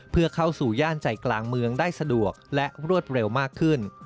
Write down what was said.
เพื่อเข้าสู่ย่านใจกลางเมืองได้สะดวกและรวดเร็วมากขึ้น